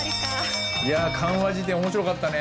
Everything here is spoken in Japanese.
いや漢和辞典面白かったね。